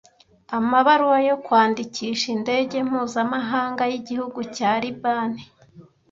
amabaruwa yo kwandikisha indege mpuzamahanga yigihugu cya Libani